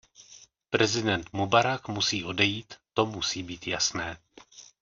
Prezident Mubarak musí odejít, to musí být jasné.